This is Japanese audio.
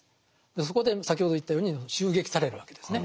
そこで先ほど言ったように襲撃されるわけですね。